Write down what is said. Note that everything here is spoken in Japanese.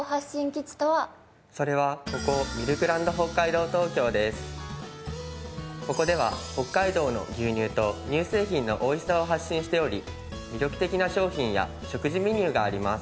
それはここここでは北海道の牛乳と乳製品のおいしさを発信しており魅力的な商品や食事メニューがあります。